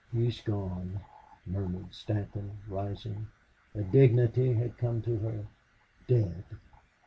"He's gone!" murmured Stanton, rising. A dignity had come to her. "Dead!